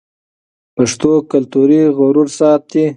پښتو کلتوري غرور ساتي.